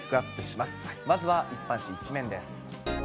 まずは一般紙の１面です。